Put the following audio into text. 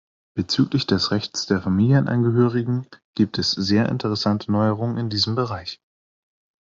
Bezüglich des Rechts der Familienangehörigen gibt es sehr interessante Neuerungen in diesem Bereich.